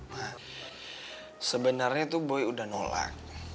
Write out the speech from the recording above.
ma sebenarnya tuh boy udah nolak